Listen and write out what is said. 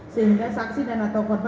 semalau kuasa angkasa